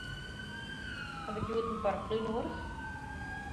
Ha ik hjoed in paraplu nedich?